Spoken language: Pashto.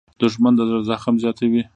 دښمن د زړه زخم زیاتوي